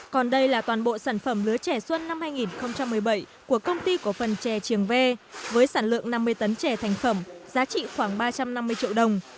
còn đây là toàn bộ sản phẩm lứa trẻ xuân năm hai nghìn một mươi bảy của công ty cổ phần trè trường ve với sản lượng năm mươi tấn chè thành phẩm giá trị khoảng ba trăm năm mươi triệu đồng